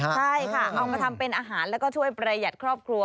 ใช่ค่ะเอามาทำเป็นอาหารแล้วก็ช่วยประหยัดครอบครัว